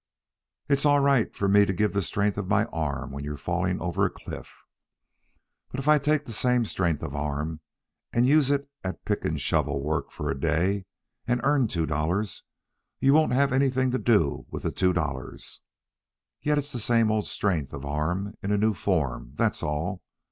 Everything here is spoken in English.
"It's all right for me to give the strength of my arm when you're falling over a cliff. But if I take that same strength of arm and use it at pick and shovel work for a day and earn two dollars, you won't have anything to do with the two dollars. Yet it's the same old strength of arm in a new form, that's all.